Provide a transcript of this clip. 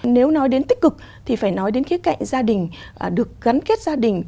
nếu nói đến tích cực thì phải nói đến khía cạnh gia đình được gắn kết gia đình